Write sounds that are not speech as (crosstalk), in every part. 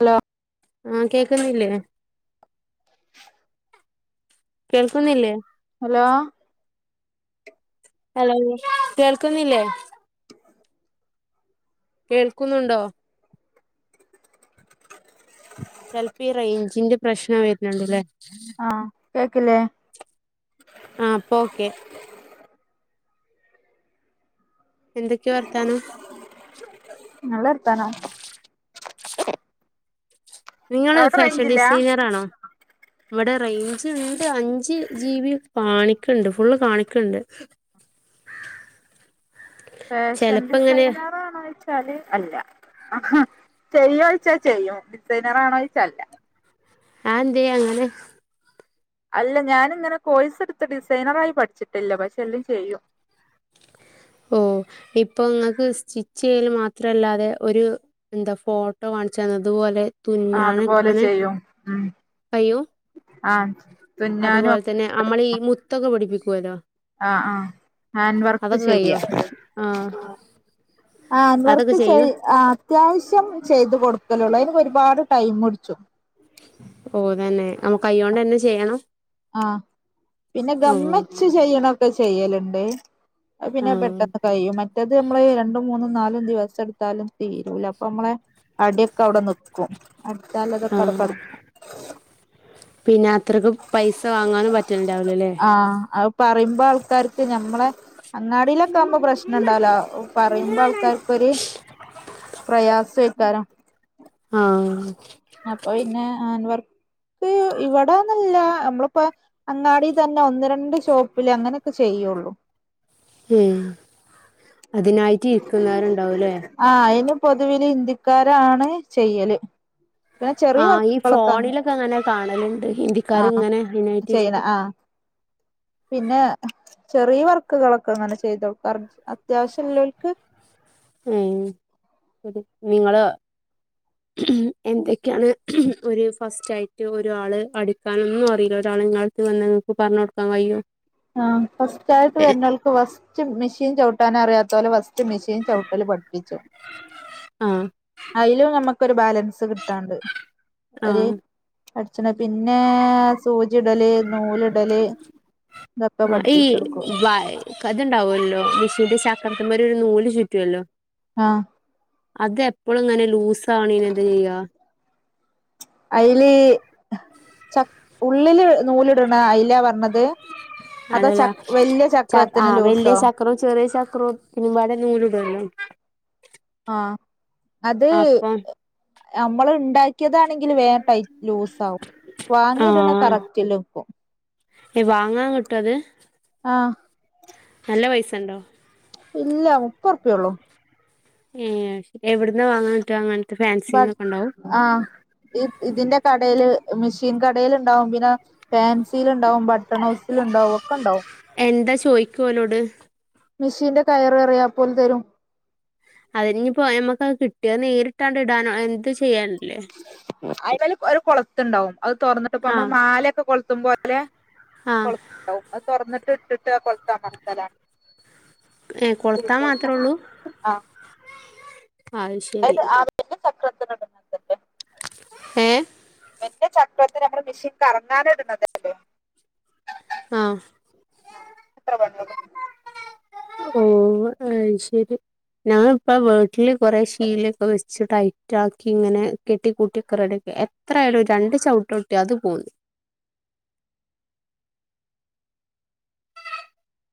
Hello ആഹ് കേൾക്കുന്നില്ലേ കേൾക്കുന്നില്ലേ ഹലോ ഹലോ കേൾക്കുന്നില്ലേ കേൾക്കുന്നുണ്ടോ ചിലപ്പോ ഈ റേഞ്ചിന്റെ പ്രശ്നം വരുന്നുണ്ടല്ലേ ആഹ് കേക്കില്ലേ ആഹ് ഇപ്പോ ഓക്കെ എന്തൊക്കെയാ വർത്താനം നല്ല വർത്താനം നിങ്ങള് അവിടെ ഫാഷൻ റേഞ്ചില്ല ഡിസൈനറാണോ ഇവിടെ റേഞ്ച് ഉണ്ട് അഞ്ച് ജി ബി കാണിക്കണണ്ട് ഫുൾ കാണിക്കണണ്ട് ഫാഷൻ ഡിസൈനറാണോ ചോയിച്ച ച്ചാല് അല്ല ചെയ്യോ ചോയ്ച്ചാൽ ചെയ്യും ഡിസൈനർ ആണോ ചോയ്ച്ചാൽ അല്ല അതെന്തേ അങ്ങനെ അല്ല ഞാനിങ്ങനെ കോഴസ് എടുത്ത് ഡിസൈനറായി പഠിച്ചിട്ടില്ല പക്ഷെ എല്ലാം ചെയ്യും ഓഹ് ഇപ്പോ നിങ്ങക്ക് സ്റ്റിച്ച് ചെയ്യല് മാത്രല്ലാതെ ഒരു എന്താ ഫോട്ടോ കാണിച്ചാന്ന് അതുപോലെ ആഹ് അതുപോലെ തുന്നാനങ്ങനെ ചെയ്യും ഉം കയ്യും ആഹ് തുന്നാനും അതുപോലെ തന്നെ അമ്മളീ മുത്തൊക്കെ പിടിപ്പിക്കൂല്ലോ ആഹ് -ആഹ് ഹാൻഡ് വർക്ക് കയ്യോ ചെയ്യാ ആഹ് ഹാൻഡ് അതൊക്കെ വർക്ക് ചെയ്യും ചെയ് ആഹ് അത്യാവശ്യം ചെയ്ത് കൊടുക്കലുള്ളൂ അതിന് ഒരുപാട് ടൈം പുടിച്ചും ഓഹ് തന്നെ നമ്മുക്ക് കയ്യോണ്ടന്നെ ചെയ്യണം ആഹ് പിന്നെ ഓ ഗമ്മച്ച് ചെയ്യണൊക്കെ ചെയ്യലുണ്ട് അത് പിന്നെ ആഹ് പെട്ടെന്ന് കഴിയും മ മറ്റേത് നമ്മള് രണ്ടും മൂന്നും നാലും ദിവസം എടുത്താലും തീരൂല അപ്പൊ ഞമ്മളെ അടിയൊക്കെ അവിടെ നിക്കും അടച്ചാള്ളതൊക്കെ ആഹ് അവിടെക്കടു പിന്നെ അത്രയ്ക്ക് പൈസ വാങ്ങാനും പറ്റലുണ്ടാവൂലല്ലേ ആഹ് അത് പറയുമ്പോ ആൾക്കാർക്ക് ഞമ്മളെ അങ്ങാടിയിലൊക്കെ ആവുമ്പോ പ്രശ്നം ഉണ്ടാവൂലാ പറയുമ്പോ ആൾക്കാർക്കൊരു പ്രയാസേക്കാരം ആഹ് അപ്പൊ പിന്നെ ഹാൻഡ് വർക്ക് ഇവട് ടൊന്നുല്ല നമ്മളിപ്പോ അങ്ങാടി തന്നെ ഒന്ന് രണ്ട് ഷോപ്പില് അങ്ങനൊക്കെ ചെയ്യോള്ളൂ ഉം അതിനായിട്ട് ഇരിക്കുന്നവരുണ്ടാവൂല്ലേ ആഹ് അയിന് പൊതുവില് ഹിന്ദിക്കാരാണ് ചെയ്യല് പിന്നെ ചെറിയ ആഹ് ഈ വർക്ക്കളൊക്കെ ഫോണിലൊക്കെ അങ്ങനെ കാണലുണ്ട് ഹിന്ദിക്കാർ ഇങ്ങനെ അയ്നായിട്ട് ചെയ്യണ ഇരിക്ക്ണ് ആ പിന്നെ ചെറിയ വർക്കുകളൊക്കെ അങ്ങനെ ചെയ്തോടുക്കാറ് അത്യാവശ്യ ഉള്ളോൽക്ക് ഉം (unintelligible) നിങ്ങള് എന്തൊക്കെയാണ് ഒരു ഫസ്റ്റായിട്ട് ഒരാള് അടിക്കാനൊന്നും അറിയില്ല ഒരാള് നിങ്ങൾ ഇത് വന്ന് നിങ്ങക്ക് പറഞ്ഞ് കൊടുക്കാൻ കഴിയോ ആഹ് ഫസ്റ്റായിട്ട് വരുന്നാൾ ക്ക് ഫസ്റ്റ് മെഷീൻ ചവിട്ടാനറിയാത്തോലെ ഫസ്റ്റ് മെഷീൻ ചവിട്ടല് പഠിപ്പിച്ചും (inaudible) അയിലും നമ്മുക്കൊരു ബാലൻസ് കിട്ടാണ്ട് അത് ആഹ് അടിച്ച്ണ് പിന്നേ സൂചി ഇടല് നൂലിടല് ഇതൊക്കെ ആഹ് ഈ പഠിപ്പിച്ചൊടുക്കും വയ്ക്കതുണ്ടാവുലുല്ലോ മെഷീന്റെ പക്രത്തിൻമേല് ഒരു നൂല് ചുറ്റുവല്ലോ ആഹ് അതെപ്പൊളും ഇങ്ങനെ ലൂസാവിണയ്ന് എന്താ ചെയ്യാ അയില് ചക് ഉള്ളില് നൂലിടണ അയിലാ പറഞ്ഞത് അതോ അല്ലല്ല ചക് വലിയ ചക്രത്തിന് ലൂസോ ഒറു ചെറിയ ചക്രോ പിന്നെമ്പാടെ നൂലിടുവല്ലോ ആഹ് അത് അപ്പം അമ്മള് ഉണ്ടാ ക്കിയതാണെങ്കില് വേ ടൈറ്റ് ലൂസ് ആവും വാങ്ങിട്ണത് കറക്റ്റ്ലും നിക്കും ഏഹ് വാങ്ങാൻ കിട്ടുവത് ആഹ് നല്ല പൈസണ്ടോ ഇല്ല മുപ്പതുറുപ്പ്യെ ഉള്ളൂ ഏഹ് എവിട്ന്നാ വാങ്ങാൻ കിട്ടാ അങ്ങനത്തെ ബട്ട് ഫാൻസിലൊക്കെ ഉണ്ടാവും ആഹ് ഈ ഇതിന്റെ കടേല് മെഷീൻ കടേല് ഉണ്ടാവും പിന്നെ ഫാൻസീലിണ്ടാവും ബട്ടൺ ഹൗസിലിണ്ടാവും ഒക്കെണ്ടാവും എന്താ ചോയ്ക്കാ ഓലോട് മിഷീന്റെ കയറ് പറയാ അപ്പോല് തരും അതിഞ്ഞിപ്പൊ നമ്മക്കത് കിട്ടിയാ നേരിട്ടാണ്ട് ഇടാനോ എന്തു ചെയ്യാനല്ലേ അയ്മ്മല് ഒര് കൊള്ത്തിണ്ടാവും അത് തൊറന്ന ട്ടിപ്പ നമ്മള് ആഹ് മാലെക്ക കൊളുത്തും പോലെ ആഹ് കൊള് ത്തിണ്ടാവും അത്‌ തൊറന്നിട്ട് ഇട്ടിട്ട് അ കൊളുത്തമർത്തലാണ് ഏ കൊളുത്താൻ മാത്രേ ഉള്ളൂ ആഹ് അത് ശെരി പിന്നെ ചക്രത്തിന്റ (unintelligible) ഏഹ് മറ്റെ ചക്രത്തില് നമ്മള് മെഷീൻ കറങ്ങാനിടുന്നതല്ലേ ആഹ് എത്ര പണിയുള്ളൂ ഓഹ് അയ്ശെരി ഞാനിപ്പ വീട്ടില് കൊറേ ശീലൊക്കെ വെച്ച് ടൈറ്റാക്കി ഇങ്ങനേ കെട്ടി കൂട്ടിയക്ക റെഡിയാക്കി എ ത്രായാലും ഒരു രണ്ട് ചവിട്ട് കിട്ടിയ അത് പോന്നു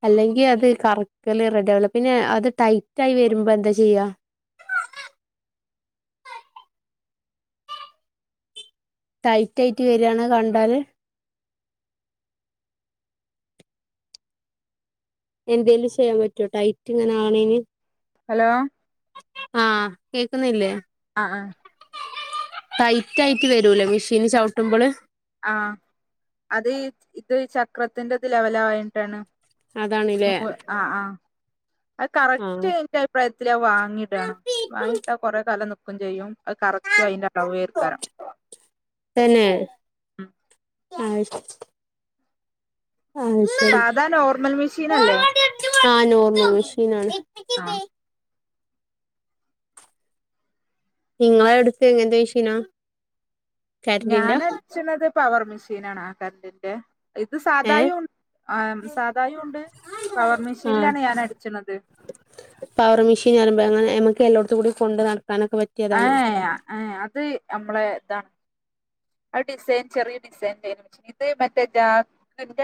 അല്ലെങ്കി അത് കറക്കല് റെഡിയാവൂല പിന്നെ അത് ടൈറ്റായി വരുമ്പൊ എന്താ ചെയ്യാ ടൈറ്റായിട്ട് വെര്യാണ് കണ്ടാല് എന്തേലും ചെയ്യാൻ പറ്റൊ ടൈറ്റിങ്ങനെ ആകണേന് ഹലോ ആഹ് കേക്കുന്നില്ലേ ആ ആ ടൈറ്റ് ആയിട്ട് വരൂല്ലെ മെഷീന് ചവിട്ടുമ്പള് ആഹ് അത് ഇത് ചക്രത്തിന്റത് ലെവലായണ്ടാണ് അതാണ്ല്ലേ (unintelligible) ആഹ് ആഹ് അത് കറക്റ്റ് ആഹ് എനിക്കത് പ്രായത്തില് അത് വാങ്ങി ഇടണം വാങ്ങിട്ടാ കുറേ കാലം നിക്കും ചെയ്യും അത് കറക്റ്റ് അതിന്റെ അളവേക്കാറം തന്നെ ഉം അയ് അയ് ശെരി സാധാ നോർമൽ മെഷീൻ അല്ലേ ആഹ് നോർമൽ മെഷീനാണ് ആ നിങ്ങളടുത്ത് എങ്ങനത്ത മെഷീനാ കരണ്ടിന്റെ ഞാനടിച്ചിന്നത് പവർ മെഷീനാണ് ആഹ് കറണ്ടിന്റെ ഇത് ഏ സാധായും ഉ ആഹ് സാധായും ഉണ്ട് പവർ ആ മെഷീനിലാണ് ഞാൻ അടിച്ചുന്നത് പവർ മെഷീൻന്ന് പറയുമ്പൊ എങ്ങനെ നമുക്കെല്ലോടത്തുംകൂടി കൊണ്ട് നടക്കാനൊക്കെ പ ഏഹ് അഹ് ആഹ് അത് നമ്മളേ ഇതാണ് അത് ഡിസൈൻ ചെറിയ ഡിസൈൻ (unintelligible) ഇത് മറ്റേ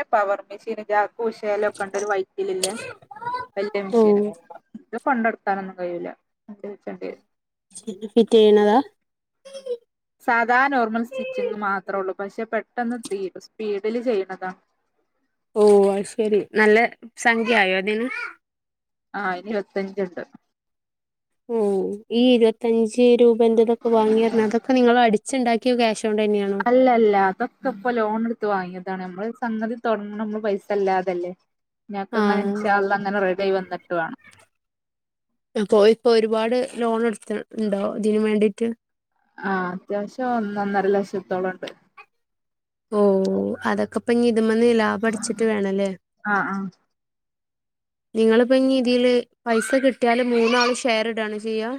(unintelligible) പവർ മെഷീന് ജാ ഉഷാലക്കണ്ടൊരു വയ്റ്റിലില്ലേ വല്ല്യ ഓ മെഷീന ഇത് കൊണ്ടടു ക്കാനൊന്നും കഴിയൂല്ല (inaudible) (unintelligible) ഫിറ്റ് ചെയ്യണതാ സാധാ നോർമൽ സ്റ്റിച്ചിങ്ങ് മാത്രൊള്ളു പക്ഷെ പെട്ടെന്ന് തീരും സ്പീഡില് ചെയ്യണതാ ഓഹ് അത്‌ ശെരി നല്ല സംഖ്യ ആയോ അതിന് ആഹ് അതിന് ഇരുപത്തെഞ്ചെണ്ട് ഉം ഈ ഇരുപത്തഞ്ച് രൂപന്റെതൊക്കെ വാങ്ങി പറയണ അതൊക്കെ നിങ്ങളടി ച്ചിണ്ടാക്കിയ ക്യാഷ് കൊണ്ട് തന്നെയാണോ അല്ലല്ല അതൊ‌ക്കിപ്പ ലോണെടുത്ത് വാങ്ങിയതാണ് നമ്മള് സംഗതി തൊടങ്ങണ നമ്മള് പൈസ ഇല്ലാതല്ലെ ആ ഞങ്ങക്കങ്ങനെ ഇൻഷാ അള്ളാ അങ്ങന റെഡിയായി വന്നിട്ട് വേണം അപ്പൊ ഇപ്പൊ ഒരുപാട് ലോണെടുത്ത് ഇണ്ടാവോ ഇതിനും വേണ്ടീട്ട് ആഹ് അത്യാവശ്യം ഒന്ന് ഒന്നര ലക്ഷത്തോളെണ്ട് ഓഹ് അതൊക്കെ ഇപ്പ ഇന്നി ഇത്‌മ്മന്ന് ലാഭ അടിച്ചിട്ട് വേണല്ലേ? ആഹ് ആഹ് നിങ്ങളിപ്പോ ഇനി ഇതില് പൈസ കിട്ടിയാല് മൂന്നാള് ഷെയർ ഇടാണോ ചെയ്യാ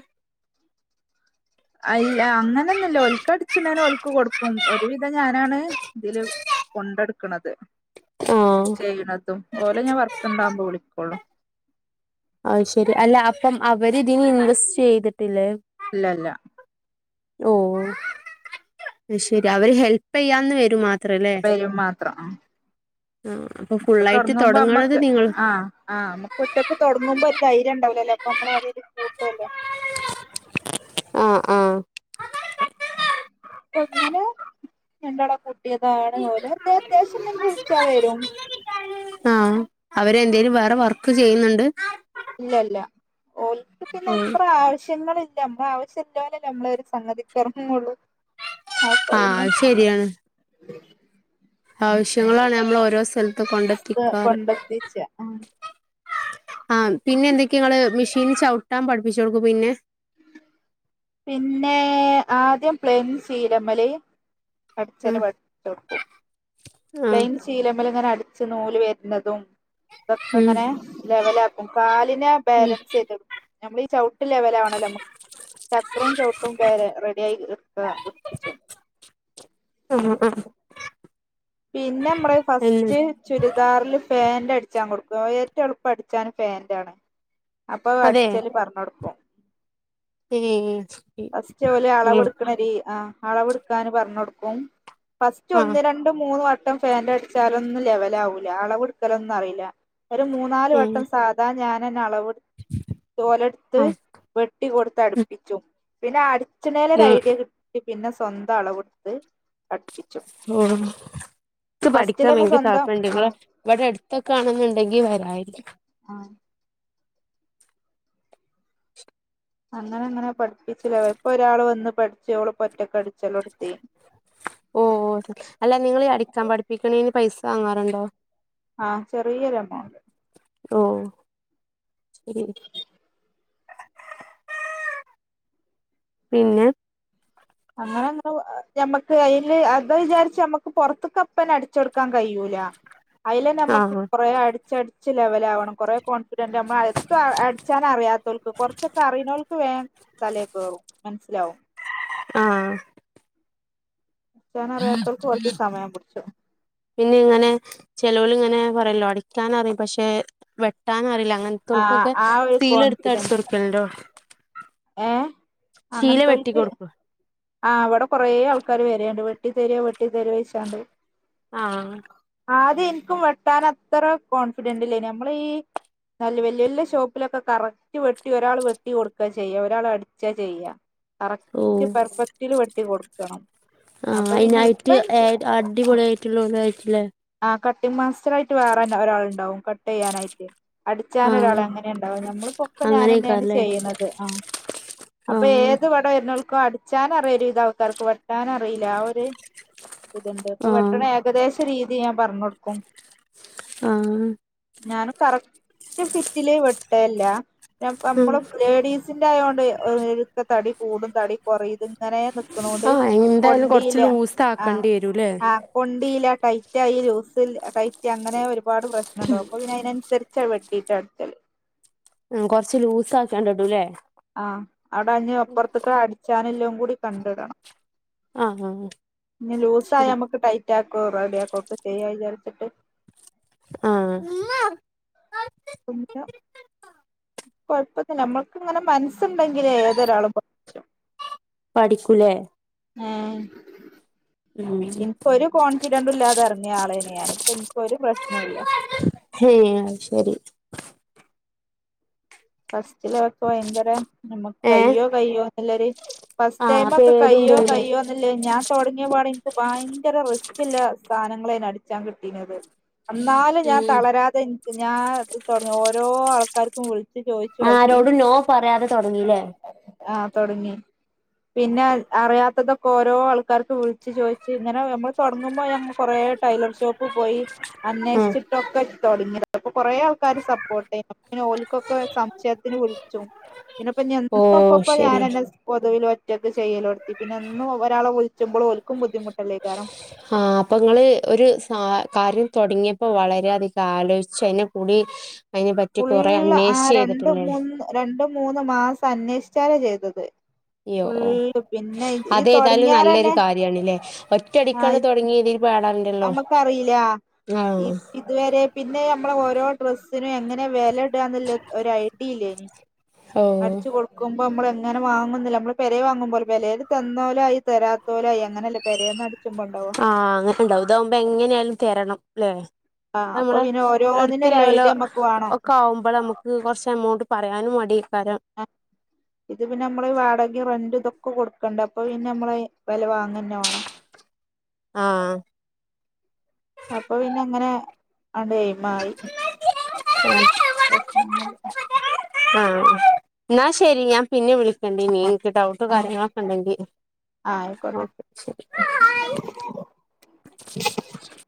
അൽ ആഹ് അങ്ങനൊന്നും ഇല്ലാ ഓൽക്ക് അടിച്ചണേന് ഓൽക്ക് കൊടുക്കും ഒരുവിധം ഞാനാണ് ഇതില് കൊണ്ടട്ക്കണത് ആഹ് ചെയ്യണതും ഓലെ ഞാൻ വർക്ക് ഇണ്ടാവുമ്പോ വിളിക്കോള്ളൂ അത് ശെരി അല്ല അപ്പം അവര് ഇതിന് ഇൻവെസ്റ്റ് ചെയ്തിട്ടില്ലേ? ഇല്ല ഇല്ലാ ഓഹ് ആവു അത് ശെരി അവര് ഹെൽപ്പെയ്യാന്ന് വെരും മാത് മാത്രല്ലേ വരും മാത്രം ആഹ് ആഹ് അപ്പൊ ഇപ്പ ഫുള്ളായിട്ട് തൊടങ്ങുമ്പോ തൊടങ്ങണത് അമ്മക്ക് നിങ്ങള് ആഹ് ആഹ് അമ്മക്ക് ഒറ്റക്ക് തൊടങ്ങുമ്പോ ഒരു ധൈര്യം ഇണ്ടാവുലല്ലോ അപ്പ നമ്മള് ആരേലും കൂട്ടുവല്ലോ ആഹ് ആഹ് അങ്ങനെ രണ്ടാളെ കുട്ടിയതാണ് ഓലെ എന്തെങ്കിലും അത്യാവശ്യം ഇണ്ടെങ്കി വിളിച്ചാ വെരും. ആഹ് അവരെന്തേലും വേറെ വർക്ക് ചെയ്യുന്നുണ്ട്? ഇല്ല ഇല്ലാ ഓൽക്ക് പിന്നെ ആഹ് അത്ര ആവശ്യങ്ങള് ഇല്ല നമ്മളെ ആവശ്യള്ളോലല്ലേ നമ്മളൊരു സംഗതിക്കെറങ്ങൊള്ളൂ ആഹ് അത് ശെരിയാണ് ആവശ്യങ്ങളാണ് നമ്മളെ ഓരോ സ്ഥലത്ത് കൊണ്ടെത്തിക്കാറ് കൊണ്ടെത്തിച്ച ആഹ് ആഹ് പിന്നെ എന്തൊക്കെയാ ഇങ്ങള് മെഷീന് ചൗട്ടാൻ പഠിപ്പിച്ചൊട്ക്കും പിന്നെ? പിന്നെ ആദ്യം പ്ലെയിൻ ശീലെമ്മല് അടിച്ചല് ആഹ് പടിപ്പിച്ചൊട്ക്കും ആഹ് പ്ലെയിൻ ശീലെമ്മല് ഇങ്ങനെ അടിച്ച് നൂല് വെര്ന്നതും അതൊക്കെ ഉം ഇങ്ങനെ ലെവലാ കാലിനെ ഉം ബാലൻസ് ചെയ്തെട്ക്കും നമ്മളീ ചൗട്ട് ലെവലാവണല്ലോ നമ്മക് ചക്രവും ചൗട്ടും (unintelligible) റെഡിയായി (unintelligible) ഉം ഉം പിന്നെ ഇമ്മറെ ആഹ് ഫസ്റ്റ് ചുരിദാറില് പേന്റടിച്ചാൻ കൊടുക്കും ഏറ്റോം എളുപ്പം അടിച്ചാന് പേന്റാണ് അപ്പൊ അതെ അടിച്ചല് പർഞ്ഞൊട്ക്കും ഏഹ് ഫസ്റ്റോല് അളവ് എടുക്കണ രീ ആഹ് അളവെട്ക്കാന് പറഞ്ഞൊട്ക്കും. ഫസ്റ്റ് ആഹ് ഒന്ന് രണ്ട് മൂന്ന് വ ട്ടം പേന്റടിച്ചാലൊന്നും ലെവലാവൂല്ലാ അളവെട്ക്കലൊന്നും അറീല്ലാ ഒരു മൂന്നാല് ഉം വട്ടം സാ ദാ ഞാനെന്നെ അളവെട്ത്ത് ഓലെട്ത്ത് ആഹ് വെട്ടി കൊട്ത്തട്പ്പിച്ചും. പിന്നെ അടിച്ച്ണേന് ഒര് ഉം ഐ‌ഡിയ കിട്ടി പിന്നെ സ്വന്ത അളവെട്ത്ത് അടുപ്പിച്ചും (unintelligible) ക്ക് പഠിക്കാൻ ഭയങ്കര സ്വന്തം താൽപ്പര്യണ്ട് ആ ഇങ്ങളെ ഇവടെ അട്ത്തൊക്കെ ആണ്ന്ന്ണ്ടെങ്കി വെരായിരുന്നു ആഹ് അങ്ങനങ്ങനെ പഠിപ്പിച്ചിലെ ഇപ്പൊരാള് വന്ന് പഠിച്ച് ഓള് ഇപ്പൊ ഒറ്റക്കടിച്ചിലൊട്ത്തി ഓഹ് ഓഹ് അല്ലാ നിങ്ങളീ അടിക്കാൻ പഠിപ്പിക്ക്ണേന് പൈസ വാങ്ങാറ്ണ്ടോ? ആഹ് ചെറിയൊരെമൗണ്ട് ഓഹ് പിന്നെ അങ്ങനങ്ങനെ ആഹ് ഞമ്മക്ക് അയില് അത് വിചാരിച്ച് ഞമ്മക്ക് പൊർത്ത്ക്കപ്പന്നെ അടിച്ചൊട്ക്കാൻ കയ്യൂ യ്യൂലാ അയിലെന്നെ ഞമ്മക്ക് ആഹ് കൊറെ അടിച്ചടി ച്ച് ലെവലാവണം കൊറേ കോൺഫിഡന്റമ്മള് എത്ര അടിച്ചാനറിയാത്തോൽക്കും കൊർച്ചൊക്കെ അറിയണോൽക്ക് വേം തലേക്കേറും മൻസ്സിലാവും ആഹ് ക്കാനറിയാത്തോൽക്ക് കൊർച്ച് സമയം പുട്ച്ചും പിന്നെങ്ങനെ ചെലോല്ങ്ങനെ പറയല്ലോ അടിയ്ക്കാനറിം പക്ഷെ വെട്ടാനറില്ല അങ്ങൻ ആ ത്തോൽക്കൊക്കെ ആ ഒരു കോൺഫിഡന്റ് സീലട്ത്തട്ച്ചൊട്ക്കൽണ്ടോ ഏ അങ്ങൻത്തോൽക്ക് ആ വടെ കൊറേ ആൾക്കാര് വരേണ്ട് വെട്ടി തെരോ വെട്ടി തെരോ ചോയ്ച്ചാണ്ട് ആഹ് ആദ്യ ഇൻക്കും വെട്ടാനത്ര കോൺഫിഡന്റില്ലേയ്ന് നമ്മള് ഈ നല്ല വല്യ വല്യ ഷോപ്പിലൊക്കെ കറക്റ്റ് വെട്ടി ഒരാള് വെട്ടി കൊടുക്ക ചെയ്യാ ഒരാളടിച്ചാ ചെയ്യാ കറക്റ്റ് ഓഹ് പെർഫെക്റ്റില് വെട്ടി കൊട്ക്കണം അപ്പ പിന്നെ ഇപ്പ ൻക്ക് അടിപൊളി ആയ്റ്റ്ള്ളോണ്ട് (unintelligible) ആ കട്ടിംഗ് മാസ്റ്ററായ്റ്റ് വേറൊരാള് ണ്ടാവും കട്ടിയ്യാനായ്റ്റ് ആഹ് അടിച്ചാനൊരാള് അങ്ങനേ ണ്ടാവ ഞമ്മളിപ്പൊ ഒക്കെ ഞാനന്നേണ് അങ്ങനെയൊക്കാല്ലേ ചെയ്യ്ണത് അപ്പ ആഹ് ഏത് വട് ഇവ്ടെ വര്നോൽക്കും അടിച്ചാനറിയ ഒരു വിതം ആൾക്കാർക്ക് വെട്ടാനറിയില്ല ആ ഒര് ഇതുണ്ട് ഇപ്പൊ ആഹ് വെട്ടണ ഏകദേശ രീതി ഞാൻ പർഞ്ഞൊട്ക്കും ആഹ് ഞാനും കറക്റ്റ് ഫിറ്റ്ല് വെട്ടൽല്ല്യാ ഉം നമ്മള് ലേഡീസ് സിന്റായോണ്ട് തടി കൂടും തടി കൊറയും ഇതിങ്ങനെ നി ക്ക്ണോണ്ട് ആഹ് എന്തായാലും കൊറച്ച് കൊണ്ടീല ലൂസ് ആ ആക്കേണ്ടി വരൂല്ലേ ആ കൊണ്ടീല ടൈ റ്റായി ലൂസിൽ ടൈറ്റ് അങ്ങനെ ഒരുപാട് പ്രശ്നണ്ടാവും അപ്പോ പിന്നെ അയ്നൻസര്ച്ച് വെട്ടിയിട്ടാ അട്ച്ചല് ഉം കൊർച്ച് ലൂസാക്കിയാണ്ട് ഇടും ലേ ആ അവ്ടഞ്ഞ് അപ്പൊർത്ത്ക്ക്‌ അടിച്ചാന്ല്ലതും കൂടി കണ്ടടണം. ആഹ് ആഹ് ആഹ് ഇഞ്ഞി ലൂസായ ശരി നമ്മക്ക് ടൈറ്റാക്കോ റെഡിയാക്കോ ഒക്കെ ചെയ്യാ വിചാരിച്ചിട്ട് ആഹ് ഉംന കൊഴ്പ്പന്ന്ല്ലാ നമ്മൾക്ക്‌ങ്ങനെ മൻസ്ണ്ടെങ്കിലേ ഏതൊരാളും പ പഠിക്കും ലേ ഏ ഉം ഇൻപ്പൊരു കോൺഫിഡന്റുല്ലാതെ എർങ്ങിയ ആളേയ്ന് ഞാന് ഇപ്പൊ ഇൻക്കൊരു പ്രശ്നൊല്ല്യ ഏഹ് അത് ശരി ഫസ്റ്റിലവൊക്കെ ഭയങ്കര നമ്മക്ക് ഏഹ് കയ്യോ കയ്യോന്നില്ലൊര് ഫസ്റ്റ് ആഹ് ടൈമൊക്കെ കയ്യോ പേടിണ്ടാവുല്ലേ കയ്യോന്ന് ല്ലേന്ന് ഞാൻ തൊടങ്ങിയപാടെ എനിക്ക് ഭയങ്കര റിസ്ക്കില്ല സാനങ്ങളേന്നു അടിച്ചാൻ കിട്ടീനത്. അന്നാലും ഞാൻ ഉം തളരാതെ ഇൻക്ക്‌ ഞാൻ ഇത് തൊടങ്ങിയ ഓരോ ആൾക്കാര്ക്കും വുൾ ആരോടും നോ പറയാതെ തൊട്ങ്ങി ലേ ആ തൊട്ങ്ങി. പിന്നെ അ അറിയാത്തതൊക്കെ ഓരോ ആൾക്കാർക്ക് വ്ൾച്ച് ചോയ്ച്ച് ഇങ്ങനെ നമ്മള് തൊട്ങ്ങുമ്പോ ഞമ്മൾ കൊറേ ടൈലർ ഷോപ്പ്‌ പ്പോയീ ഉം അന്വേശിച്ച്ട്ടൊക്കെ തൊടങ്ങിയതാ അപ്പൊ കൊറേ ആൾക്കാര് സപ്പോർട്ടേന്നു അപ്പോത്തിന് ഓൽ കൊക്കെ സംശയത്തിന് വ്ൾച്ചും പിന്നെപ്പോ ഞ്ഞി ഓഹ് (unintelligible) ശരി ഞാനെന്നേ സ് പൊതുവിൽ ഒറ്റക്ക്‌ ചെയ്യലൊട്ത്തി പിന്നെ എന്നും ഒരാളെ വുൾച്ചുമ്പള് ഓൽക്കും ബുദ്ധിമുട്ടല്ലേക്കാരം ആ അപ്പൊങ്ങള് ഒരു സ കാര്യം തൊട്ങ്ങിയപ്പോ വളരെ അധികം ആലോയ്ച്ച് അയ്നെ കൂടി അയ്നെ പറ്റി കൊറേ അന്വേശ് ചെയ്ത്ട്ട്ല്ലേ രണ്ടും മൂന്നും മാസം അന്വേഷിച്ചാലേ ചെയ്തത്. യ്യോ ഫുള്ള് പിന്നെ ഈ അതേതായാലും നല്ലൊരു തുടങ്ങിയാരന്നെ കാര്യാണ്ല്ലേ ആ ഒറ്റടിക്കാണ് തൊടങ്ങിയതിൽ (unintelligible) ടാണ്ടല്ലോ നമ്മക്കറിയില്ല ഈ ആഹ് ഇതുവരെ പിന്നെ ഞമ്മളെ ഓരോ ഡ്രസ്സിനും എങ്ങനെ നെ വെലഡാന്ന്ല്ല ഒരൈഡിയ ഇല്ലേയ്നി ഓഹ് അടിച്ചു കൊടു ക്കുമ്പോ മ്മള് എങ്ങനെ വാങ്ങുന്നില്ല നമ്മള് പെരേ വാങ്ങുമ്പോലെ പെലേത് തന്നോലായി തരാത്തോലായി അങ്ങനല്ലേ പെരേന്നടിച്ചുമ്പോ ട്ടോ ക്കണ്ടാവും ഇതാവുമ്പോ എങ്ങനെയാലും തരണംല്ലേ ആഹ് അപ്പൊ നമ്മളെ പിന്നെ ഓരോന്നിനും ഒരു അടുത്തില്ലൊലോ ഐഡിയ നമ്മക്ക് വേണം ഒക്കാവുമ്പഴ നമു ക്ക്‌ കൊറച്ച് എമോണ്ട് പറയാനും പറയാനും മടിയേക്കാരം. ആഹ് ഇത് പിന്നെ മ്മള് വാടകെം റെന്റും ഇതൊക്കെ കൊടുക്കണ്ടേ അപ്പൊ പിന്നമ്മള് വെല വാങ്ങന്നെ വാണം. ആഹ് അപ്പൊ പിന്നെങ്ങനെ അങ്ങട് എയിമായി (unintelligible) ആഹ് ന്നാ ശരി ഞാൻ പിന്നെ വിളിക്കാണ്ടിനി എനിക്ക് ഡൗട്ട് ആഹ് കാര്യങ്ങളൊക്കെണ്ടെങ്കി ആഹ് ആയിക്കോട്ടെ ഓക്കെ ശരി (unintelligible)